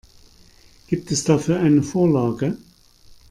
Gibt es dafür eine Vorlage?